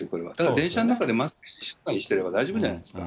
電車の中でマスクしっかりしてれば大丈夫じゃないですか、